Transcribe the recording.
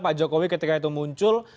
pak jokowi ketika itu muncul